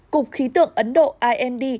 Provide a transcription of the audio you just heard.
cục khí tượng ấn độ imd